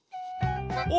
・お！